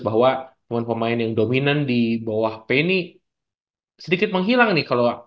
bahwa temen temen yang dominan di bawah p ini sedikit menghilang nih